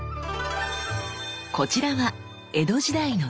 こちらは江戸時代の鐔。